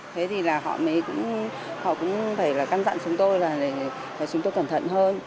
thế thì họ cũng phải căn dặn chúng tôi để chúng tôi cẩn thận hơn